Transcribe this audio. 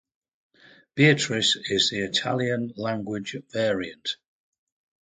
"Beatrice" is the Italian language variant.